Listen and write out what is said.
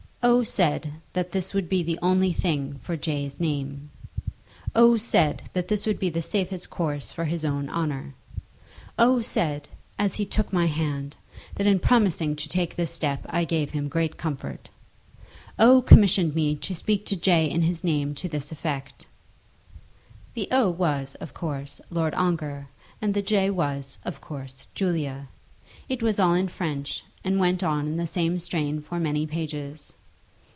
"O. said that this would be the only thing for J.'s name." "O. said that this would be the safest course for his own honour." "O. said, as he took my hand, that in promising to take this step I gave him great comfort." "O. commissioned me to speak to J. in his name to this effect." The O. was of course Lord Ongar, and the J. was of course Julia. It was all in French, and went on in the same strain for many pages.